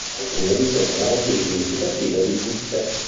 Ma alcune gli sembrano più significative di tutte.